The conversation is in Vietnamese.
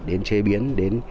đến chế biến đến